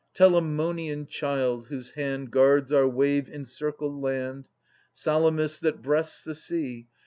Telamonian child, whose hand Guards our wave encircled land, Salamis that breasts the sea.